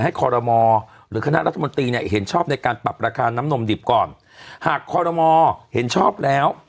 คอรมอหรือคณะรัฐมนตรีเนี่ยเห็นชอบในการปรับราคาน้ำนมดิบก่อนหากคอรมอเห็นชอบแล้ว